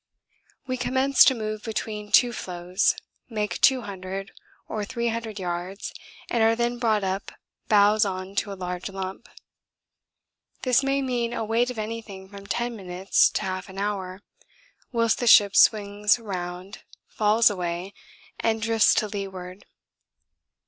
We commence to move between two floes, make 200 or 300 yards, and are then brought up bows on to a large lump. This may mean a wait of anything from ten minutes to half an hour, whilst the ship swings round, falls away, and drifts to leeward.